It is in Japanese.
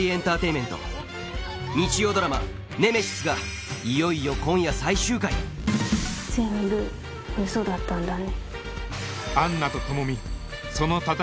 日曜ドラマ『ネメシス』がいよいよ今夜最終回全部ウソだったんだね。